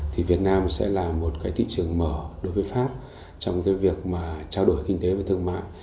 thì việt nam sẽ là một thị trường mở đối với pháp trong việc trao đổi kinh tế với thương mại